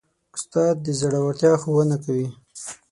استاد د زړورتیا ښوونه کوي.